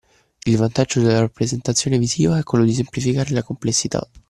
Il vantaggio della rappresentazione visiva è quello di semplificare la complessità